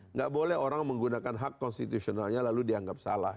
nggak boleh orang menggunakan hak konstitusionalnya lalu dianggap salah